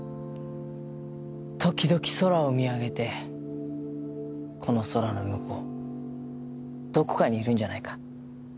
時々空を見上げてこの空の向こうどこかにいるんじゃないか。